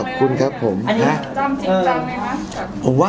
จับจริงจังเลยมา